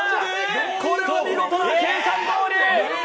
これは見事な計算どおり！